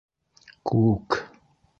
Күк...